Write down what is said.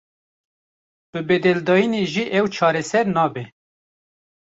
Bi bedeldayînê jî ev çareser nabe.